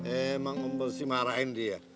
emang mesti marahin dia